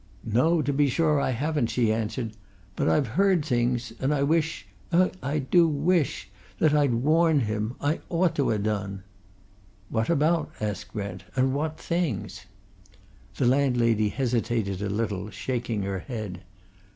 "No, to be sure I haven't," she answered. "But I've heard things, and I wish eh, I do wish! that I'd warned him! I ought to ha' done." "What about?" asked Brent. "And what things?" The landlady hesitated a little, shaking her head.